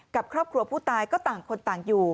กับครอบครัวผู้ตายก็ต่างคนต่างอยู่